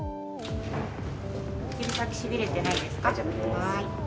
指先しびれてないですか？